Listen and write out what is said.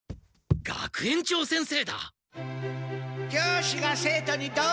学園長先生